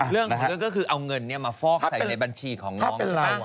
เรื่องของเรื่องก็คือเอาเงินมาฟอกใส่ในบัญชีของน้องใช่ไหม